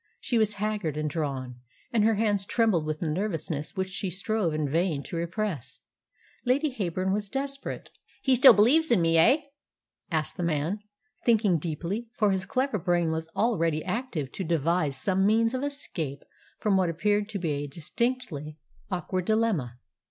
She was haggard and drawn, and her hands trembled with nervousness which she strove in vain to repress. Lady Heyburn was desperate. "He still believes in me, eh?" asked the man, thinking deeply, for his clever brain was already active to devise some means of escape from what appeared to be a distinctly awkward dilemma.